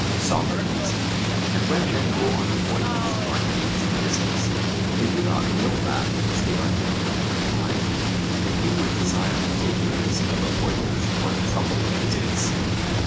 SOCRATES: And when men go on a voyage or engage in business, they do not will that which they are doing at the time; for who would desire to take the risk of a voyage or the trouble of business?